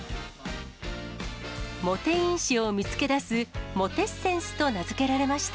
モテ因子を見つけ出す、モテッセンスと名付けられました。